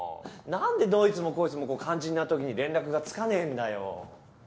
何でどいつもこいつも肝心なときに連絡がつかねえんだよ。